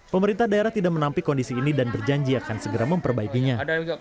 pemerintah daerah tidak menampik kondisi ini dan berjanji akan segera memperbaikinya